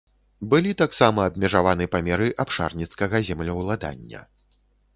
Былі таксама абмежаваны памеры абшарніцкага землеўладання.